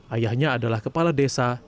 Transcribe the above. ayahnya adalah kepala desa